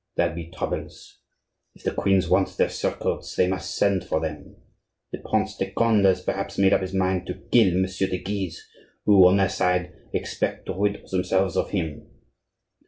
There'll be troubles. If the queens want their surcoats, they must send for them. The Prince de Conde has perhaps made up his mind to kill Messieurs de Guise; who, on their side, expect to rid themselves of him.